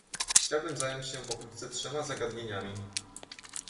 Chciałbym zająć się pokrótce trzema zagadnieniami